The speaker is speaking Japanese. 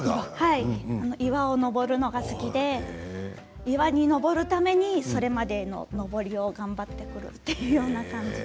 岩を登るのが好きで岩に登るためにそれまでの登りを頑張るという感じで。